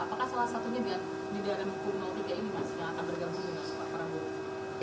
apakah salah satunya di daerah ubu tiga ini mas yang akan bergabung dengan soekarno perawo